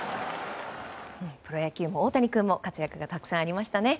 プロ野球もオオタニくんも活躍がたくさんありましたね。